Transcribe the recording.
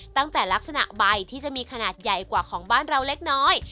ตั้งแต่ลักษณะใบที่จะมีขนาดใหญ่กว่าของบ้านเราเล็กน้อย